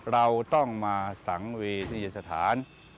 เราต้องมาสังเวทีเจศฐาน